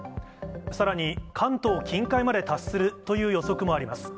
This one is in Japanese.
さらに関東近海まで達するという予測もあります。